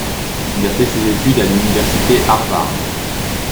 Il a fait ses études à l'Université Harvard.